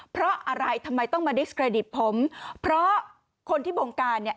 เพราะอะไรทำไมต้องมาดิสเครดิตผมเพราะคนที่บงการเนี่ย